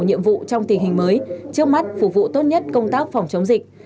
nhiệm vụ trong tình hình mới trước mắt phục vụ tốt nhất công tác phòng chống dịch